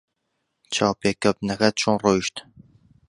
چاوپێکەوتنەکەت چۆن ڕۆیشت؟